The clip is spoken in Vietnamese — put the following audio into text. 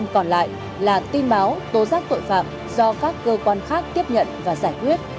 một một mươi bảy còn lại là tin báo tố giác tội phạm do các cơ quan khác tiếp nhận và giải quyết